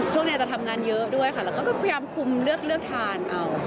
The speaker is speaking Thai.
ช่วงนี้จะทำงานเยอะด้วยค่ะแล้วก็พยายามคุมเลือกทานเอา